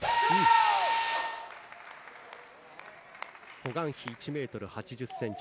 ホ・グァンヒ、１ｍ８０ｃｍ。